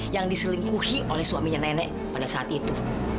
yang diselingkuhi oleh suaminya nenek pada saat itu